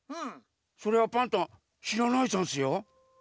それはパンタンしらないざんすよ。